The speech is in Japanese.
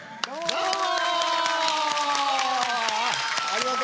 どうも。